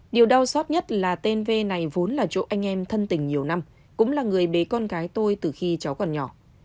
điều đau xót nhất là tên v này vốn là chỗ anh em thân tình nhiều năm cũng là người bế con gái tôi từ khi cháu còn nhỏ